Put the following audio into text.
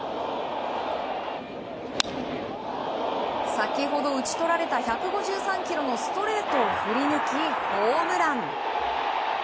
先ほど打ち取られた１５３キロのストレートを振り抜き、ホームラン！